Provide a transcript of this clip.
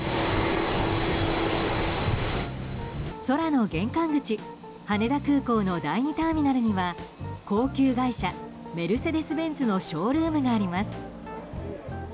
空の玄関口羽田空港の第２ターミナルには高級外車メルセデス・ベンツのショールームがあります。